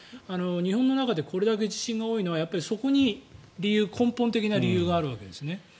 日本の中でこれだけ地震が多いのはそこに根本的な理由があるわけですね。